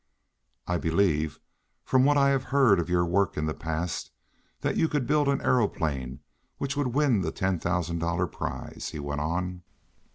"I believe, from what I have heard of your work in the past, that you could build an aeroplane which would win the ten thousand dollar prize," he went on.